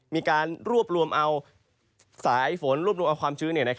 มีการรวบรวมเอาสายฝนรวบรวมเอาความชื้น